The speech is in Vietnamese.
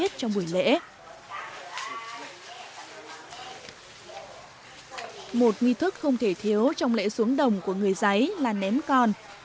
các nghị thức không thể thiếu trong lễ xuống đồng của người giấy là ném con